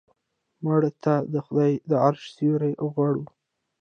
مړه ته د خدای د عرش سیوری غواړو